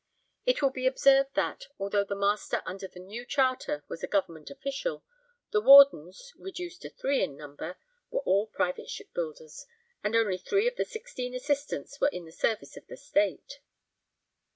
It will be observed that, although the master under the new charter was a government official, the wardens, reduced to three in number, were all private shipbuilders, and only three of the sixteen assistants were in the service of the State.